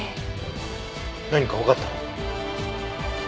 何かわかったの？